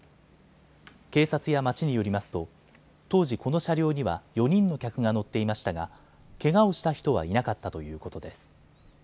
警察や町によりますと当時、この車両には４人の客が乗っていましたがけがをした人はいなかったということです。